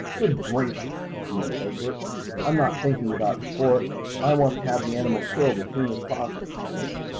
"Good gracious!" fumed Egbert, "I'm not thinking about sport. I want to have the animal killed as soon as possible."